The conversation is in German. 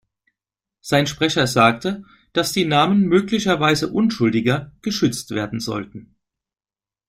Sein Sprecher sagte, dass die Namen möglicherweise Unschuldiger geschützt werden sollten.